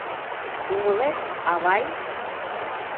Умылет, авай?